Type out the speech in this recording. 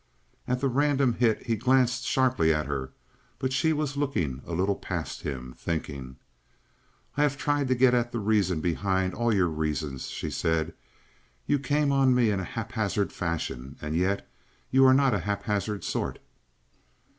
At the random hit he glanced sharply at her, but she was looking a little past him, thinking. "I have tried to get at the reason behind all your reasons," she said. "You came on me in a haphazard fashion, and yet you are not a haphazard sort."